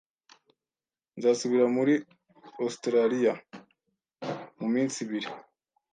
Nzasubira muri Ositaraliya mu minsi ibiri.